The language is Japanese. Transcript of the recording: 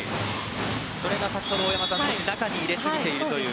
それが先ほど大山さん少し中に入れすぎているという。